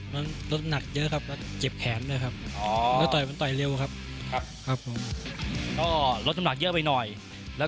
ถ้าร่วมหนักเยอะครับแล้วเจ็บแขนด้วยครับแล้วต่อนี่ว่าต่อยเร็วครับ